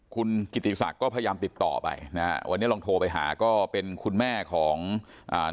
คุณกิติศักดิ์ก็พยายามติดต่อไปนะฮะวันนี้ลองโทรไปหาก็เป็นคุณแม่ของอ่า